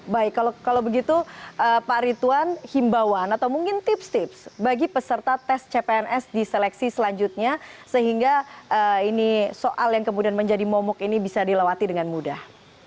baik kalau begitu pak rituan himbauan atau mungkin tips tips bagi peserta tes cpns di seleksi selanjutnya sehingga ini soal yang kemudian menjadi momok ini bisa dilewati dengan mudah